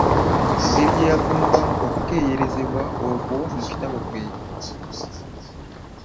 Engeri gye yavvuunukamu okukeeyerezebwa okwo mu kitabo kye.